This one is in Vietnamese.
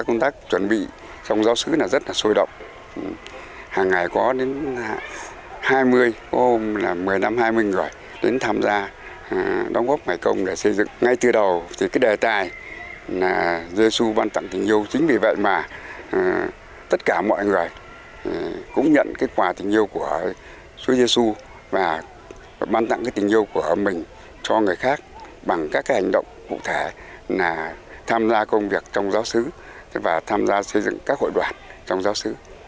những ngày này giê xu ban tặng tình yêu chính vì vậy mà tất cả mọi người cũng nhận cái quà tình yêu của chúa giê xu và ban tặng cái tình yêu của mình cho người khác bằng các cái hành động cụ thể là tham gia công việc trong giáo sứ và tham gia xây dựng các hội đoàn trong giáo sứ